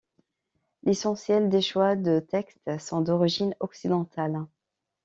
L'essentiel des choix de textes sont d'origine occidentale.